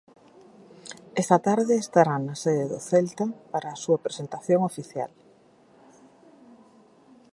Esta tarde estará na sede do Celta para a súa presentación oficial.